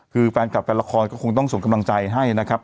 คือแฟนกับแฟนละครก็คงต้องส่งกำลังใจให้นะครับ